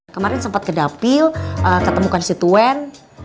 kemarin sempat ke dapil ketemukan si tuen